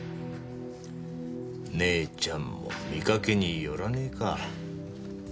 ねえちゃんも見かけによらねえか。